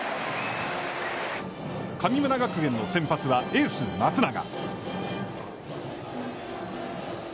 神村学園の先発は、エース松永。